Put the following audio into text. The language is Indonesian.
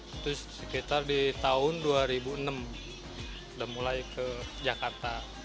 itu sekitar di tahun dua ribu enam sudah mulai ke jakarta